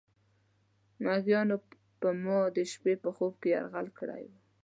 میږیانو پر ما د شپې په خوب کې یرغل کړی و.